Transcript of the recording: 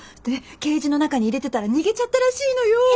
でケージの中に入れてたら逃げちゃったらしいのよ。